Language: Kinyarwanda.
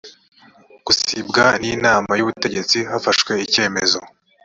gusibwa n inama y ubutegetsi hafashwe icyemezo